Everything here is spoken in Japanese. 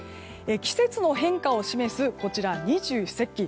季節の変化を示す二十四節気。